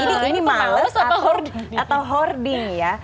ini males atau hoarding ya